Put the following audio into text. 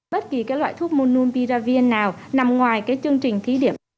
bất kỳ cái loại thuốc monunpiravir nào nằm ngoài cái chương trình thí điểm